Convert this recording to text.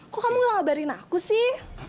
kok kamu gak ngabarin aku sih